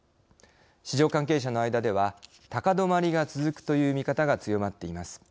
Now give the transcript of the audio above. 市場関係者の間では高止まりが続くという見方が強まっています。